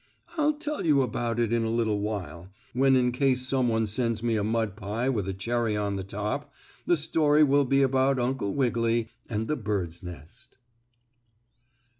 I'll tell you about it in a little while, when, in case some one sends me a mud pie with a cherry on the top, the story will be about Uncle Wiggily and the bird's nest.